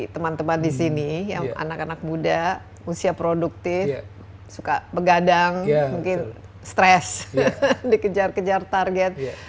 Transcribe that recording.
teman teman di sini yang anak anak muda usia produktif suka begadang mungkin stres dikejar kejar target